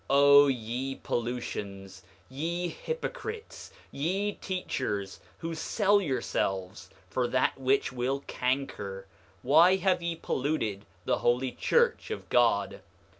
8:38 O ye pollutions, ye hypocrites, ye teachers, who sell yourselves for that which will canker, why have ye polluted the holy church of God?